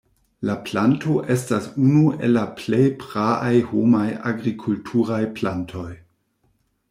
La planto estas unu el la plej praaj homaj agrikulturaj plantoj.